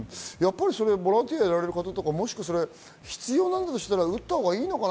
ボランティアをやられる方は必要なのだとしたら、打ったほうがいいのかな。